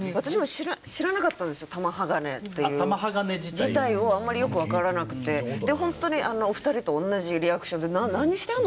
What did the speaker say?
自体をあんまりよく分からなくて本当にあのお二人と同じリアクションで「何してんの？